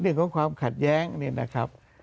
เรื่องของความขัดแย้งเนี่ยนะครับ